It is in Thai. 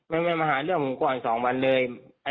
มันมาหาเรื่องผมก่อนสองวันเลย